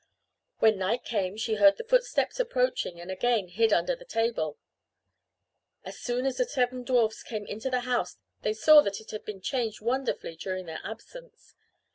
When night came she heard the footsteps approaching and again hid under the table. As soon as the seven dwarfs came into the house they saw that it had been changed wonderfully during their absence.